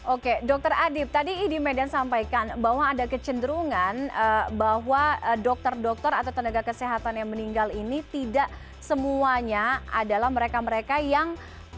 oke dokter adib tadi idi medan sampaikan bahwa ada kecenderungan bahwa dokter dokter atau tenaga kesehatan yang meninggal ini tidak semuanya adalah mereka mereka yang